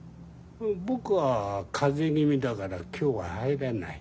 僕は風邪気味だから今日は入らない。